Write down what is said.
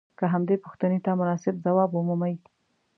که همدې پوښتنې ته مناسب ځواب ومومئ.